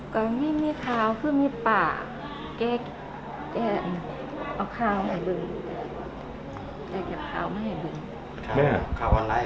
ก็ไม่มีข้าวเพิ่มมีป่าแก่แก่เอาข้าวให้ดึงแกจับข้าวมาให้ดึง